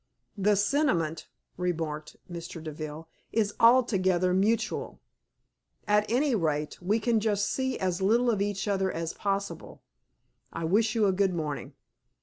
"The sentiment," remarked Mr. Deville, "is altogether mutual. At any rate, we can see as little of each other as possible. I wish you a good morning."